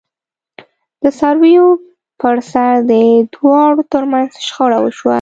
د څارویو پرسر د دواړو ترمنځ شخړه وشوه.